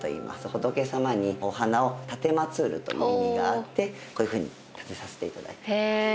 「仏様にお花を奉る」という意味があってこういうふうに立てさせて頂いています。